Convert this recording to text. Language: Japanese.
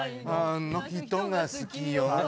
「あの人が好きよ」